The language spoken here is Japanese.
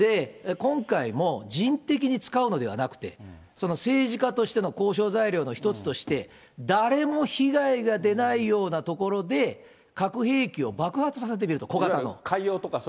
今回も人的に使うのではなくて、その政治家としての交渉材料の一つとして、誰も被害が出ないような所で核兵器を爆発させてみると、小型の。